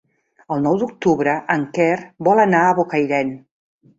El nou d'octubre en Quer vol anar a Bocairent.